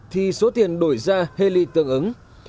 thì số tiền đổi ra heli tương ứng